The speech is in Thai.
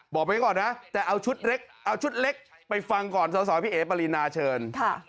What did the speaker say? บอกไปก่อนนะแต่เอาชุดเล็กเอาชุดเล็กไปฟังก่อนอาทครึ่งสศพิเอปรินาเชิญ